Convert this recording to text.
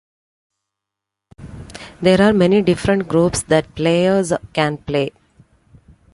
There are many different groups that players can play.